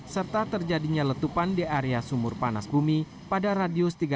serta terjadinya letupan di area sumur panas bumi pada radius tiga meter